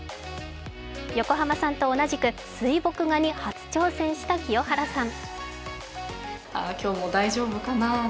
横浜さんと同じく水墨画に初挑戦した清原さん。